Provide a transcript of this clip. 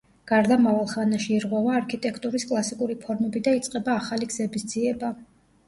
გარდამავალ ხანაში ირღვევა არქიტექტურის კლასიკური ფორმები და იწყება ახალი გზების ძიება.